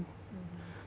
tetapi saat sistem imun